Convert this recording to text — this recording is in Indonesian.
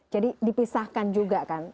jadi dipisahkan juga kan